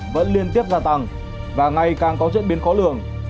vẫn liên tiếp gia tăng và ngày càng có diễn biến khó lường